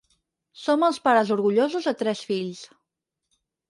Som els pares orgullosos de tres fills.